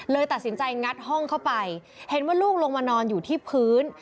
ตัดสินใจงัดห้องเข้าไปเห็นว่าลูกลงมานอนอยู่ที่พื้น